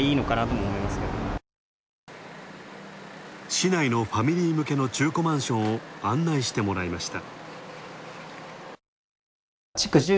市内のファミリー向けの中古マンションを案内してもらいました。